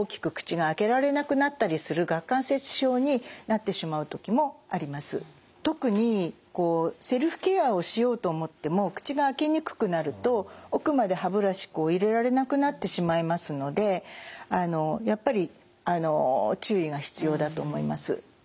それからまあ顎の方にも影響がありますから特にセルフケアをしようと思っても口が開けにくくなると奥まで歯ブラシ入れられなくなってしまいますのでやっぱり注意が必要だと思います。